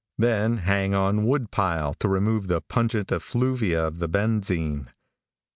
Then hang on wood pile to remove the pungent effluvia of the benzine.